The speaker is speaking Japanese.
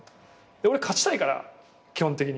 俺勝ちたいから基本的に。